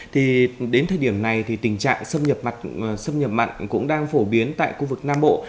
thì đến thời điểm này thì tình trạng xâm nhập mặn cũng đang phổ biến tại khu vực nam bộ